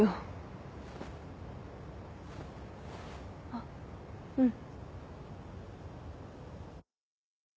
あっうん。